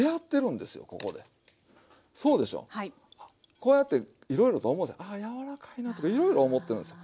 こうやっていろいろと思ってあ柔らかいなとかいろいろ思ってるんですよ。